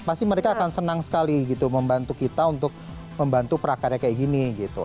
pasti mereka akan senang sekali gitu membantu kita untuk membantu prakarya kayak gini gitu